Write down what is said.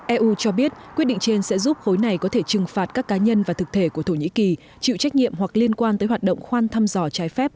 eu cho biết quyết định trên sẽ giúp khối này có thể trừng phạt các cá nhân và thực thể của thổ nhĩ kỳ chịu trách nhiệm hoặc liên quan tới hoạt động khoan thăm dò trái phép